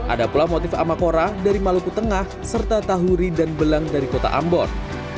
ada pula motif amakora dari maluku tengah serta tahuri dan belang dari kota ambon